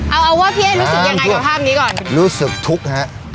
เอาเอาว่าพี่เอ๊รู้สึกยังไงกับภาพนี้ก่อนรู้สึกทุกข์ฮะ